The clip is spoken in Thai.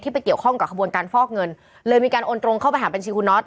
ไปเกี่ยวข้องกับขบวนการฟอกเงินเลยมีการโอนตรงเข้าไปหาบัญชีคุณน็อต